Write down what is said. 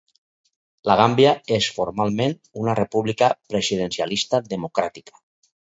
La Gàmbia és formalment una República presidencialista democràtica.